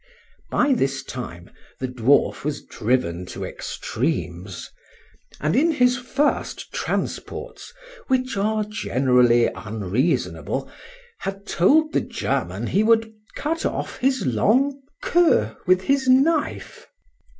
By this time the dwarf was driven to extremes, and in his first transports, which are generally unreasonable, had told the German he would cut off his long queue with his knife.